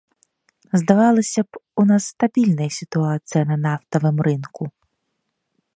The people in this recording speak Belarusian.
Здавалася б, у нас стабільная сітуацыя на нафтавым рынку.